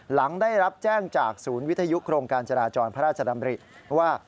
หลังได้รับแจ้งจากศูนย์วิทยุโครงการจราจรพระราชดำริว่า